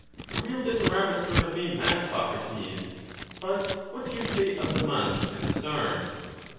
A real dithyrambic sort of name that, Socrates. But what do you say of the month and the stars?